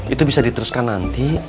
itu bisa diteruskan nanti